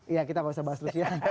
ya kita bahas rusia